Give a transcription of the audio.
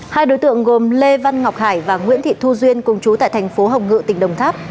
hai đối tượng gồm lê văn ngọc hải và nguyễn thị thu duyên cùng chú tại thành phố hồng ngự tỉnh đồng tháp